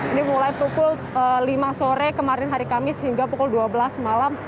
ini mulai pukul lima sore kemarin hari kamis hingga pukul dua belas malam